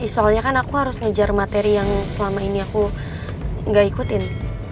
soalnya kan aku harus ngejar materi yang selama ini aku gak ikutin